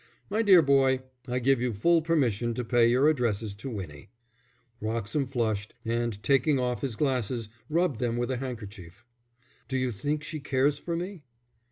My dear boy, I give you full permission to pay your addresses to Winnie." Wroxham flushed, and taking off his glasses, rubbed them with a handkerchief. "Do you think she cares for me?"